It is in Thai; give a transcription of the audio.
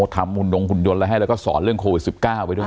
หุ่นดงหุ่นยนต์อะไรให้แล้วก็สอนเรื่องโควิด๑๙ไปด้วย